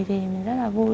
thì mình rất là vui